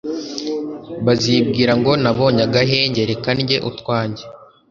bazibwira ngo nabonye agahenge, reka ndye utwanjye